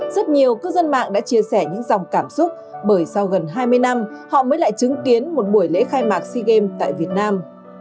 rất nhiều cư dân mạng đã chia sẻ những dòng cảm xúc bởi sau gần hai mươi năm họ mới lại chứng kiến một buổi lễ khai mạc sea games tại việt nam